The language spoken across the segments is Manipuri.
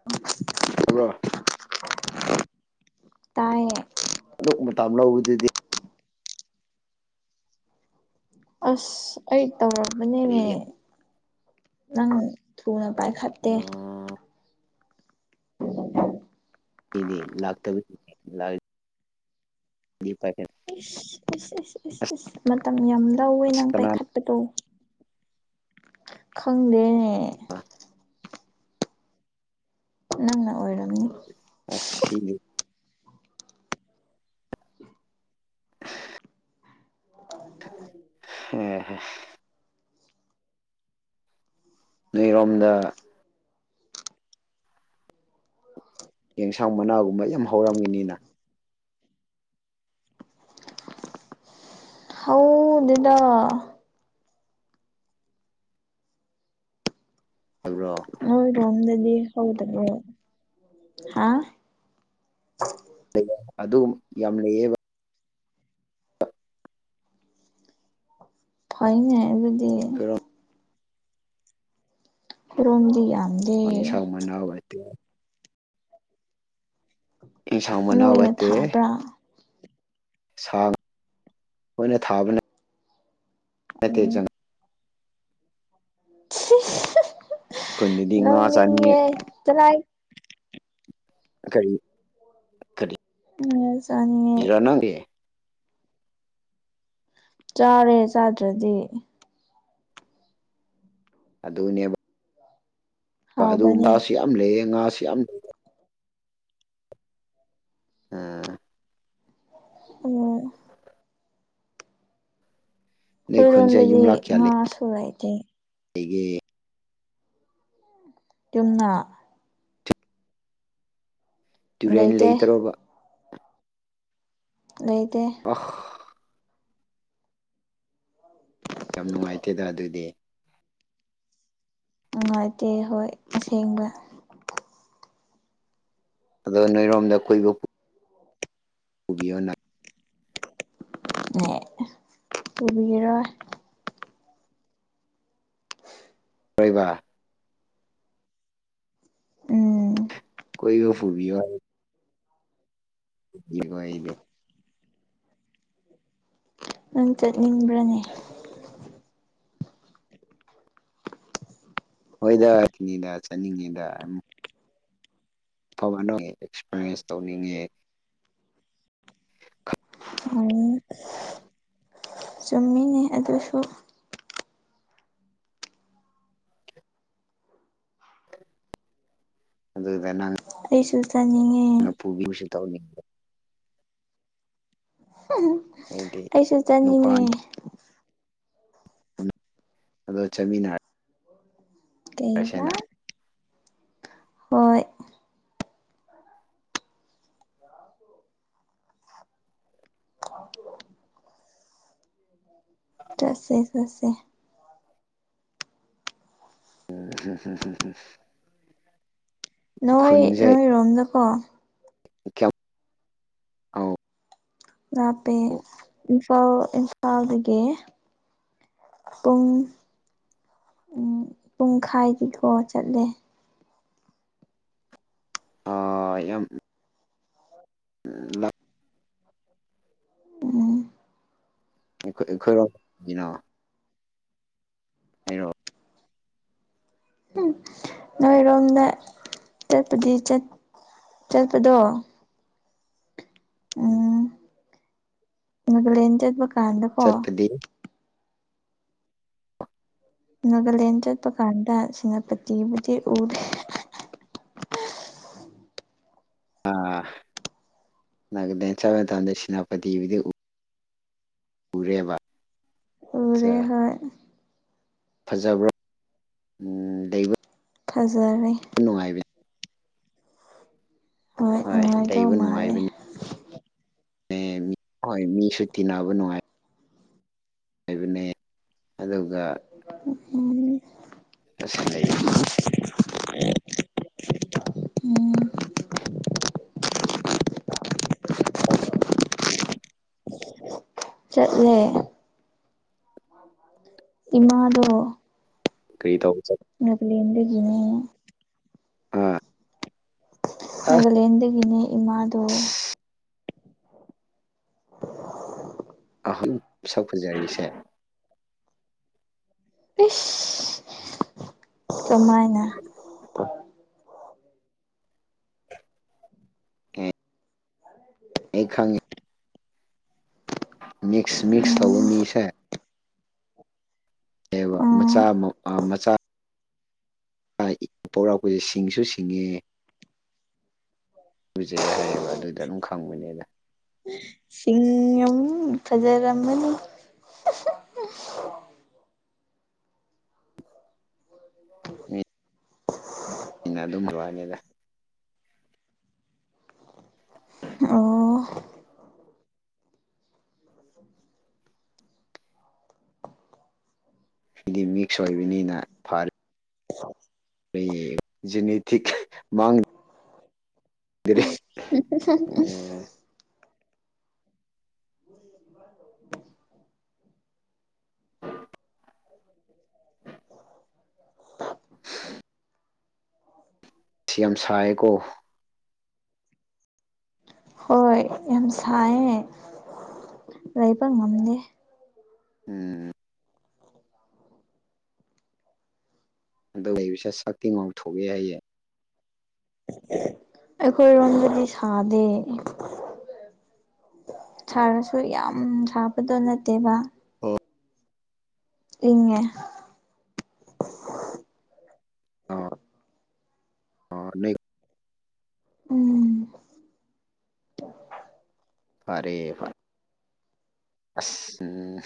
ꯑꯝ [unintelligible] ꯇꯕ꯭ꯔꯣ ꯇꯥꯏꯌꯦ ꯑꯗꯨꯛ ꯃꯇꯝ ꯂꯧꯕꯗꯨꯗꯤ ꯑꯁ ꯑꯩ ꯇꯧꯔꯝꯕꯅꯤꯅꯦ ꯀꯔꯤꯒꯤ ꯅꯪ ꯊꯨꯅ ꯄꯥꯏꯈꯠꯇꯦ ꯎꯝ ꯑꯩꯗꯤ ꯂꯥꯛꯇꯕꯒꯤꯅꯦ ꯂꯥꯛꯔꯗꯤ ꯄꯥꯏꯈꯠ ꯏꯁ ꯏꯁ ꯏꯁ ꯏꯁ ꯏꯁ ꯃꯇꯝ ꯌꯥꯝ ꯂꯧꯋꯦ ꯑꯁ ꯅꯪ ꯀꯅꯥꯅ ꯄꯥꯏꯈꯠꯄꯗꯣ ꯈꯪꯗꯦꯅꯦ ꯅꯪꯅ ꯑꯣꯏꯔꯝꯅꯤ ꯑꯥ ꯁꯤꯅꯨꯞ ꯑꯦ ꯍꯦ ꯅꯣꯏꯔꯣꯝꯗ ꯌꯦꯟꯁꯥꯡ ꯃꯅꯥꯒꯨꯝꯕ ꯌꯥꯝ ꯍꯧꯔꯝꯒꯅꯤꯅ ꯍꯧꯗꯦꯗꯥ ꯍꯥꯏꯕ꯭ꯔꯣ ꯅꯣꯏ꯭ꯔꯣꯝꯗꯗꯤ ꯍꯧꯗꯕ꯭ꯔꯣ ꯍꯥ ꯑꯗꯨ ꯌꯥꯝ ꯂꯩꯌꯦꯕ ꯍꯣꯅꯦ ꯑꯗꯨꯗꯤ ꯈꯣꯏꯔꯝ ꯔꯣꯝꯗꯤ ꯌꯥꯝꯃꯤ [unintelligible] ꯏꯟꯁꯥꯡ ꯃꯅꯥ ꯅꯣꯏꯅ ꯋꯥꯠꯇꯦ ꯊꯥꯕ꯭ꯔꯥ ꯁꯥ ꯑꯣꯏꯅ ꯊꯥꯕꯅꯦ ꯎꯝ ꯇꯩꯖꯪ ꯈꯨꯟꯗꯗꯤ ꯉꯥ ꯆꯥꯅꯤꯡꯉꯦ ꯅꯣꯛꯅꯤꯡꯉꯦ ꯆꯂꯥꯏꯠ ꯀꯔꯤ ꯀꯔꯤ [unintelligible] ꯆꯥꯅꯤꯡꯉꯦ ꯑꯩ ꯅꯪꯗꯤ ꯆꯥꯔꯦ ꯆꯥꯗ꯭ꯔꯗꯤ ꯑꯗꯨꯅꯦꯕ ꯍꯥꯎꯕꯅꯦ ꯑꯗꯨꯒꯨꯝꯕꯁꯨ ꯌꯥꯝ ꯂꯩꯌꯦ ꯉꯥꯁꯨ ꯌꯥꯝ ꯂꯩ ꯑꯥ ꯑꯣ ꯅꯣꯏ ꯈꯨꯟꯁꯦ ꯑꯩꯈꯣꯏꯔꯣꯝꯗꯗꯤ ꯌꯨꯝꯂꯛ ꯀꯌꯥ ꯉꯥꯁꯨ ꯂꯩꯇꯦ ꯂꯩꯒꯦ ꯇꯨꯝꯅ ꯇꯨꯔꯦꯟ ꯂꯩꯇꯦ ꯂꯩꯇ꯭ꯔꯣꯕ ꯂꯩꯇꯦ [unintelligible] ꯌꯥꯝ ꯅꯨꯡꯉꯥꯏꯇꯦꯗ ꯑꯗꯨꯗꯤ ꯅꯨꯡꯉꯥꯏꯇꯦ ꯍꯣꯏ ꯑꯁꯦꯡꯕ ꯑꯗꯣ ꯅꯣꯏꯔꯣꯝꯗ ꯀꯨꯏꯕ ꯄꯨꯕꯤꯌꯣꯅ ꯄꯨꯕꯤꯔꯔꯣꯏ ꯍꯣꯏꯕ ꯎꯝ ꯀꯣꯏ ꯐꯨꯕꯤꯌꯣ ꯍꯥꯏ ꯌꯦꯡꯉꯣꯏ ꯑꯩꯗꯤ ꯅꯪ ꯆꯠꯅꯤꯡꯕ꯭ꯔꯅꯦ꯫ ꯍꯣꯏꯗꯋꯥꯈꯤꯅꯤꯗ ꯆꯠꯅꯤꯡꯉꯤꯗ ꯑꯐꯕꯅ ꯑꯦꯛꯁꯄꯔꯤꯌꯦꯟꯁ ꯇꯧꯅꯤꯡꯉꯦ꯫ [unintelligible] ꯆꯨꯝꯃꯦ꯫ ꯑꯗꯨꯁꯨ ꯑꯗꯨ ꯅ ꯅꯪ ꯑꯩꯁꯨ ꯆꯥꯅꯤꯡ ꯑ ꯉ ꯄꯨꯕꯤꯕꯁꯨ ꯇꯧꯅꯤꯡꯕ ꯑꯩꯗꯤ ꯑꯩꯁꯨ ꯅꯨꯄꯥ ꯆꯥꯅꯤꯡꯉꯦ꯫ ꯑꯗꯣ ꯆꯃꯤꯅꯥ ꯀꯩꯕ ꯍꯣꯏ [unintelligible] ꯇꯁꯦ ꯇꯁꯦ꯫ [unintelligible] ꯅꯣꯏ ꯅꯣꯏ ꯔꯣꯝꯗꯀꯣ ꯑꯥꯎ ꯂꯄꯦ ꯏꯝꯐꯥꯜ ꯏꯝꯐꯥꯜꯗꯒꯤ꯫ ꯄꯨꯡ ꯄꯨꯡꯈꯥꯏꯗꯤꯀꯣ ꯆꯠꯂꯦ꯫ ꯑ ꯌꯥꯝ [unintelligible] ꯎꯝ ꯈꯣꯏ ꯑꯩꯈꯣꯏꯔꯥꯎꯒꯤꯅꯣ [unintelligible] ꯎꯝ ꯅꯣꯏꯔꯣꯝꯗ ꯆꯠꯄꯗꯤ ꯆꯠꯄꯗꯣ ꯎꯝ ꯃꯒꯂꯦꯟ ꯆꯠꯄ ꯀꯥꯟꯗꯀꯣ ꯆꯠꯄꯗꯤ ꯅꯥꯒꯥꯂꯦꯟ ꯆꯠꯄ ꯀꯥꯟꯗ ꯁꯦꯅꯥꯄꯇꯤꯕꯨꯗꯤ ꯎꯗꯦ꯫ ꯑꯥ ꯂꯗꯦꯟ ꯆ ꯇꯗ ꯁꯦꯅꯥꯄꯇꯤꯗꯤ ꯎ ꯎꯔꯦꯕ ꯎꯔꯦ ꯑꯆꯥ ꯍꯣꯏ ꯐꯖꯕ꯭ꯔꯣ ꯎꯝ ꯂꯩꯕ ꯐꯖꯔꯦ꯫ ꯅꯨꯡꯉꯥꯏꯕꯅꯦ꯫ ꯍꯣꯏ ꯅꯨꯡꯉꯥꯏꯗꯧ ꯂꯩꯕ ꯃꯥꯜꯂꯦ ꯅꯨꯡꯉꯥꯏꯕꯅꯤ ꯍꯣꯏ ꯃꯤꯁꯨꯇꯤꯟꯅꯕ ꯅꯨꯡꯉꯥꯏꯕ꯫ ꯍꯥꯏꯕꯅꯦ ꯑꯗꯨꯒ ꯎꯝ ꯑꯁ ꯂꯩꯕꯅꯤ꯫ ꯎꯝ ꯑꯣ ꯆꯠꯂꯦ꯫ ꯏꯃꯥꯗꯣ ꯀꯔꯤ ꯇꯧꯕ ꯆꯇ ꯉꯒꯂꯤ ꯌꯦꯒꯤꯅꯦ꯫ ꯑ ꯅꯒꯥꯂꯦꯟꯟꯗꯒꯤꯅꯦ ꯏꯃꯥꯗꯨꯣ ꯑꯍꯟ ꯁꯛ ꯐꯖꯔꯤꯁꯦ꯫ ꯀꯃꯥꯏꯅ ꯎꯝ ꯑꯩ ꯈꯪꯉꯦ꯫ ꯃꯤꯛꯁ ꯃꯤꯛꯁ ꯎꯝ ꯇꯧꯕ ꯃꯤꯁꯦ ꯀꯩꯕ ꯎꯝ ꯃꯆꯥ ꯃ ꯃꯆꯥ ꯄ‌ꯣꯛꯔꯛꯄꯁꯦ ꯁꯤꯡꯁꯨ ꯁꯤꯡꯉꯦ ꯎꯨꯖꯩ ꯍꯥꯏꯌꯦꯕ ꯑꯗꯨꯗ ꯑꯗꯨꯝ ꯈꯪꯕꯅꯤꯗ ꯁꯤꯅꯤ ꯍꯧꯅ ꯐꯖꯔꯝꯕꯅꯤ [unintelligible] ꯃꯤꯅ ꯑꯗꯨꯝ [unintelligible] ꯑꯣ ꯁꯤꯗꯤ ꯃꯤꯛꯁ ꯑꯣꯏꯕꯅꯤꯅ ꯈ‌ꯣꯏ ꯖꯤꯅꯦꯇꯤꯛ ꯃꯥꯡ [unintelligible] [unintelligible] [inaudible] ꯁꯤ ꯌꯥꯝ ꯁꯥꯏꯌꯦꯀꯣ ꯍꯣꯏ ꯌꯥꯝ ꯁꯥꯏꯌꯦ ꯂꯩꯕ ꯉꯝꯗꯦ ꯎꯝ ꯑꯗꯨ ꯂꯩꯕꯁꯦ ꯁꯛꯇꯤ ꯉꯥꯎꯊꯣꯛꯑꯦ ꯍꯥꯏꯌꯦ ꯑꯩꯈꯣꯏꯔꯣꯝꯗꯗꯤ ꯁꯥꯗꯦ ꯁꯥꯔꯁꯨ ꯌꯥꯝ ꯁꯥꯕꯗꯣ ꯅꯠꯇꯦꯕ ꯑꯣ ꯏꯪꯉꯦ [unintelligible] ꯎꯝ ꯐꯔꯦ ꯐꯔ‌ꯦ ꯑꯁ ꯎꯝ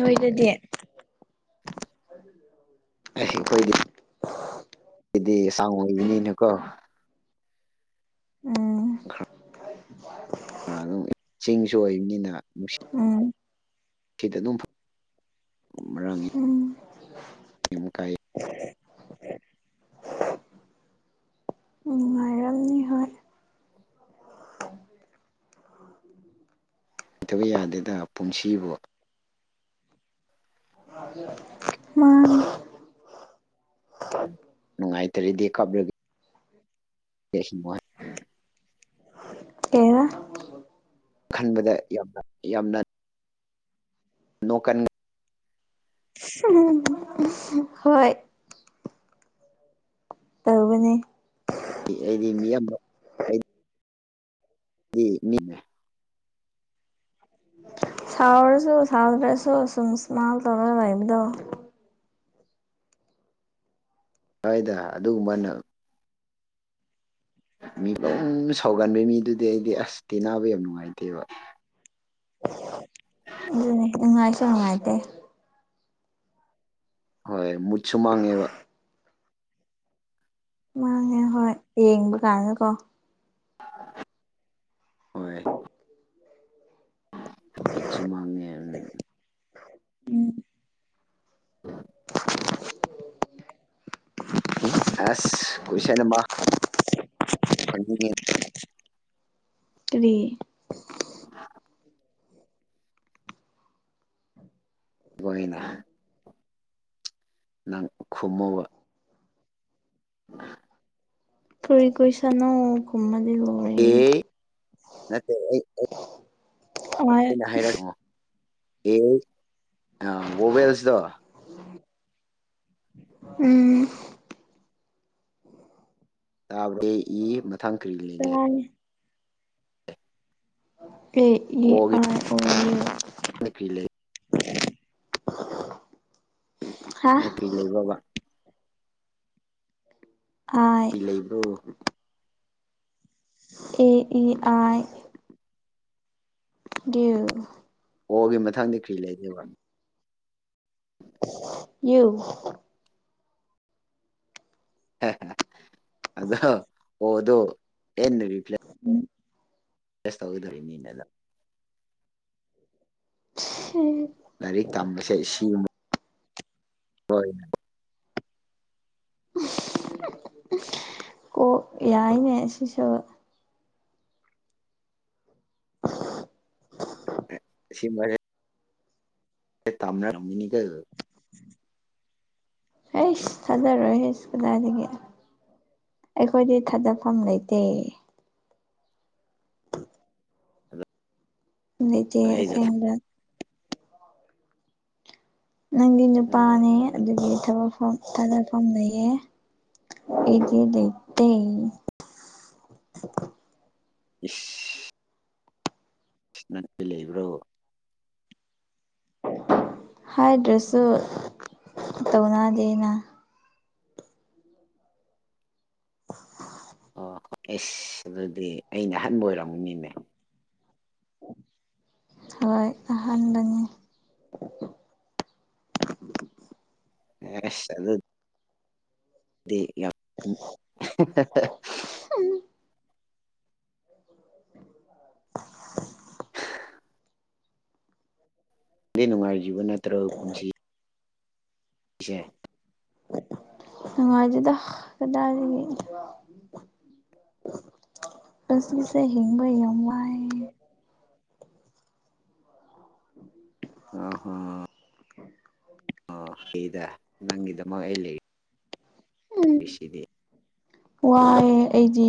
ꯅꯣꯏꯗꯗꯤ ꯑꯩꯈꯣꯏꯗꯤ ꯍꯥꯏꯗꯤ ꯁꯥꯡ ꯑꯣꯏꯕꯅꯤꯅꯀꯣ ꯎꯝ ꯈꯔ ꯑꯗꯨꯝ [unintelligible] ꯆꯤꯡꯁꯨ ꯑꯣꯏꯕꯅꯤꯅ ꯎꯝ ꯅꯨꯡꯁꯤꯠ ꯑꯗꯨꯝ ꯃꯔꯥꯡ ꯎꯝ ꯑꯗꯨꯝ ꯀꯥꯏ ꯅꯨꯡꯉꯥꯏꯔꯝꯅꯤ ꯍꯣꯏ ꯇꯕ ꯌꯥꯗꯦꯗ ꯄꯨꯟꯁꯤꯕꯨ [unintelligible] ꯃꯥꯥꯅꯤ ꯅꯨꯡꯉꯥꯏꯇꯔꯗꯤ ꯀꯞꯂꯗꯤ ꯀꯩ‌‌ ꯍꯥꯏꯕ ꯈꯟꯕꯗ ꯌꯥꯝꯅ ꯌꯥꯝꯅ ꯅꯣꯛ ꯀꯟ [unintelligible] ꯍꯣꯏ ꯇꯧꯕꯅꯦ ꯑꯩꯗꯤ ꯃꯤꯌꯥꯝ ꯗꯤ ꯃꯤ ꯁꯥꯎꯔꯁꯨ ꯁꯥꯎꯗ꯭ꯔꯁꯨ ꯁꯨꯝ ꯏꯁꯃꯥꯏꯜ ꯇꯧꯔꯒ ꯂꯩꯕꯗꯣ ꯍ‌ꯣꯏꯗ ꯑꯗꯨꯒꯨꯝꯃꯥꯏꯅ ꯃꯤ ꯗꯨꯝ ꯁꯥꯎꯒꯟꯕ ꯃꯤꯗꯨꯗꯤ ꯑꯩꯗꯤ ꯑꯁ ꯇꯤꯟꯅꯕ ꯌꯥꯝ ꯅꯨꯡꯉꯥꯏꯇꯦꯕ ꯑꯗꯨꯅꯦ ꯅꯨꯡꯉꯥꯏꯁꯨ ꯅꯨꯡꯉꯥꯏꯇꯦ ꯍꯣꯏ ꯃꯨꯠꯁꯨ ꯃꯥꯡꯉꯦꯕ ꯃꯥꯡꯉꯦ ꯍꯣꯏ ꯌꯦꯡꯕ ꯀꯥꯟꯗꯀꯣ ꯑ ꯑ ꯀꯕꯤ ꯆꯨꯃꯉꯦ ꯎ ꯎꯝ ꯎ ꯎ꯫ [inaudible] ꯑꯁ ꯀꯣꯏꯁꯟꯝꯕ ꯈꯪꯅꯤꯡꯉꯤ ꯀꯔꯤ ꯎꯝ ꯅ ꯅꯪ ꯈꯨꯝꯃꯨꯕ ꯑ ꯇꯣꯏ ꯀꯣꯏꯁꯅꯣ ꯀꯨꯃꯗ ꯂ ꯑꯦ ꯅꯠꯇ ꯍꯣꯏ ꯑꯩꯅ ꯍꯥꯏꯔꯛꯉꯣ ꯑꯦ ꯋꫭꯕꯦꯜꯁꯇꯣ ꯎꯝ꯫ ꯇꯥꯕꯗ ꯏ ꯃꯊꯪ ꯀꯔꯤ ꯂꯩꯒꯦ ꯇꯥꯏ ꯑ‌ꯦ ꯫ꯏ ꯑꯥꯏ ꯑꯣ ꯌꯨ ꯃꯄꯤ ꯂꯩ ꯍꯥ ꯂꯩꯕꯔꯕ ꯑ ꯑꯗꯨ ꯑꯦ ꯏ ꯑꯥꯏ ꯒ‌ꯦꯝ ꯑꯣꯒꯤ ꯃꯊꯪꯗ ꯀꯔꯤ ꯂꯩꯒ‌ꯦꯕ ꯌꯨ ꯑꯗꯣ ꯍꯗ ꯌꯦ ꯔꯤ꯭ꯂꯥꯏ ꯎꯝ ꯇꯦꯁ ꯇꯧꯒꯗꯣꯔꯤꯕ ꯃꯤꯅꯦꯅ ꯍ ꯔꯥꯏꯔꯤꯛꯇꯝꯕꯁ‌ꯦ ꯏꯁꯨ ꯍꯣꯏ ꯀꯣꯛ ꯌꯥꯏꯅꯦ ꯁꯤꯁꯨ [inaudible] ꯁꯤꯃꯒ ꯑꯦ ꯇꯝ ꯃꯤꯅꯤꯒ ꯍꯁ꯫ ꯊꯥꯖꯔꯣꯏ ꯀꯗꯥꯏꯗꯒꯤ ꯑꯩꯈꯣꯏꯗꯤ ꯊꯥꯗꯐꯝ ꯂꯩꯇꯦ ꯑꯩꯆꯦ ꯑꯩꯅ ꯑꯁꯦꯡꯕ ꯅꯪꯗꯤ꯫ ꯅꯨꯄꯥꯅꯦ ꯎꯝ ꯑꯗꯨꯒꯤ ꯊꯕꯛꯐꯝ ꯇꯗ ꯐꯝ ꯂꯩꯌꯦ ꯏꯗꯤ ꯂꯩꯇꯩ ꯏꯁ ꯂꯩꯕ꯭ꯔꯣ ꯍꯥꯏꯗ꯭ꯔꯁꯨ ꯇꯧꯅꯗꯦ ꯅ ꯑꯣꯏ ꯑꯦꯁ ꯑꯗꯨꯗꯤ ꯑꯩꯅ ꯑꯍꯥꯟꯕ ꯑꯣꯏꯔꯝꯒꯅꯤꯅꯦ ꯍꯣꯏ ꯑꯍꯥꯟꯕꯅꯤ ꯑꯦꯁ‌ ꯑꯗꯨ ꯑ ꯌꯥ꯫ ꯍꯨꯝ [unintelligible] ꯗꯤ ꯅꯨꯡꯉꯥꯏꯔꯤꯕ ꯅꯠꯇ꯭ꯔ‌ꯣ ꯄꯨꯟꯁꯤ ꯏꯁ‌ꯦ ꯅꯨꯡꯉꯥꯏꯗ‌ꯦꯗ ꯀꯗꯥꯏꯗꯒꯤ ꯄꯨꯟꯁꯤꯁ‌ꯦ ꯍꯤꯡꯕ ꯌꯥꯝ ꯋꯥꯏꯌ‌ꯦ ꯑꯍꯣ ꯑ ꯑꯩꯗ ꯅꯪꯒꯤꯗꯃꯛ ꯑꯩ ꯂꯩ ꯔꯤꯁꯤꯗꯤ ꯋꯥꯌ‌ꯦ ꯑꯩꯗꯤ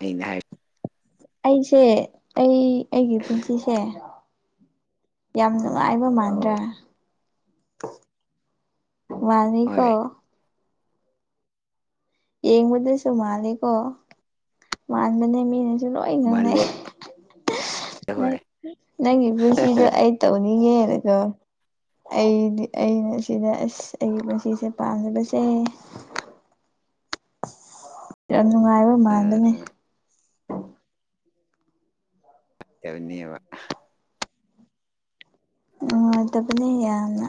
ꯑꯩꯅ ꯍꯥꯏ ꯑꯩꯁꯦ ꯑꯩ ꯑꯩꯒꯤ ꯄꯨꯟꯁꯤꯁꯦ ꯌꯥꯝ ꯅꯨꯡꯉꯥꯏꯕ ꯃꯥꯟꯗ꯭ꯔꯥ ꯑꯣ ꯍꯣꯏ ꯃꯥꯅꯤꯀ‌ꯣ ꯌꯦꯡꯕꯗꯁꯨ ꯃꯥꯜꯂꯤꯀꯣ ꯃꯥꯟꯕꯅꯦ ꯃꯤꯅꯁꯨ ꯂꯣꯏ ꯃꯥꯜꯂꯦ ꯉꯥꯡꯅꯩ ꯅꯪ ꯍꯣꯏ ꯅꯪꯒꯤ ꯄꯨꯟꯁꯤꯗꯣ ꯑꯩ ꯇꯧꯅꯤꯡꯉꯦꯅꯀ‌ꯣ ꯑꯩꯗꯤ ꯑꯩꯅ ꯁꯤꯗ ꯑꯁ ꯑꯩꯒꯤ ꯄꯨꯟꯁꯤꯁꯦ ꯄꯥꯝꯗꯕꯁꯤ ꯌꯥꯝ ꯅꯨꯡꯉꯥꯏꯕ ꯎꯝ ꯃꯥꯟꯕꯅꯦ ꯎꯝ ꯇꯧꯅꯤꯕ ꯐꯠꯇꯕꯅꯤ ꯌꯥꯝꯅ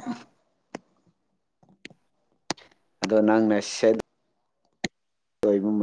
ꯑꯗꯣ ꯅꯪꯅ ꯁ‌ꯦꯠ ꯑꯣꯏꯕꯝ